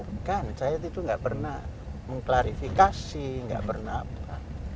bukan saya itu tidak pernah mengklarifikasi tidak pernah apa